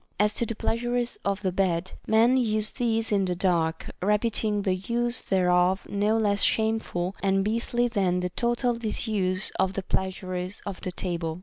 As to the pleasures of the bed, men use these in the dark, reputing the use thereof no less shameful and beastly than the total disuse of the pleasures of the table.